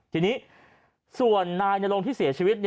ทีนี้ส่วนนายนรงที่เสียชีวิต